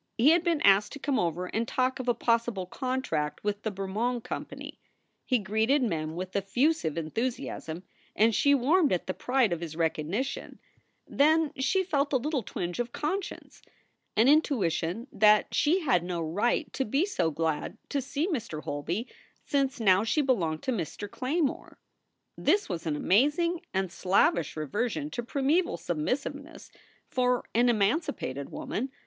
He had been asked to come over and talk of a possible contract with the Bermond Company. He greeted Mem with effusive enthusi asm, and she warmed at the pride of his recognition. Then 240 SOULS FOR SALE she felt a little twinge of conscience an intuition that she had no right to be so glad to see Mr. Holby, since now she belonged to Mr. Claymore. This was an amazing and slavish reversion to primeval submissiveness for an emancipated woman.